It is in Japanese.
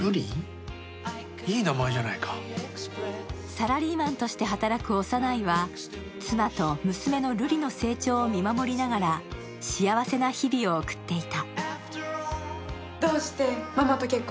サラリーマンとして働く小山内は、妻と娘の瑠璃の成長を見守りながら幸せな日々を送っていた。